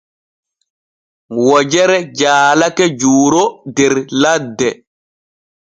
Wojere jaalake Juuro der ladde.